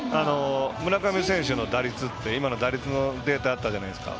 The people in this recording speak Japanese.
村上選手の打率って今の打率のデータあったじゃないですか。